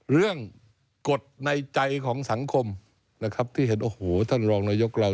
เรื่องกฎในใจของสังคมที่เห็นโอ้โหท่านรองนายกเรา